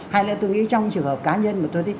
hai nữa tôi nghĩ trong trường hợp cá nhân